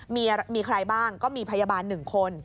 มีใครบ้างก็มีพยาบาล๑คน